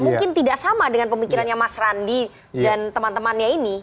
mungkin tidak sama dengan pemikirannya mas randi dan teman temannya ini